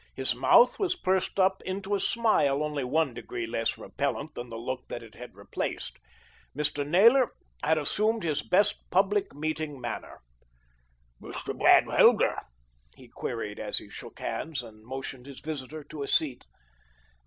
His mouth was pursed up into a smile only one degree less repellent than the look that it had replaced. Mr. Naylor had assumed his best public meeting manner. "Mr. Van Helder?" he queried, as he shook hands and motioned his visitor to a seat.